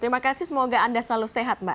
terima kasih semoga anda selalu sehat mbak